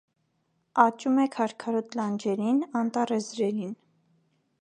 Աճում է քարքարոտ լանջերին, անտառեզրերին։